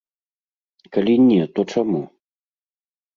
Калі не, то чаму?